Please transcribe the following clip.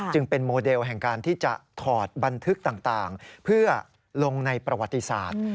จึงเป็นโมเดลแห่งการที่จะถอดบันทึกต่างเพื่อลงในประวัติศาสตร์